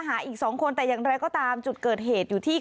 หาอีกสองคนแต่อย่างไรก็ตามจุดเกิดเหตุอยู่ที่